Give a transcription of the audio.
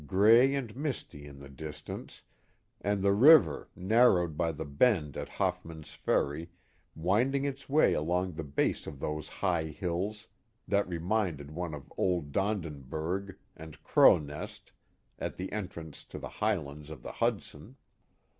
gray and misty in the distance, and the J river, narrowed by the bend at Hoffman's Ferry, winding its 1 way along the base of those high hills that reminded one of , old Donderberg and Cro'nest at the entrance to the Highlands ' of the Hudson.